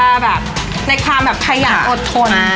อยู่แบบว่าในความแบบใครอยากอดทน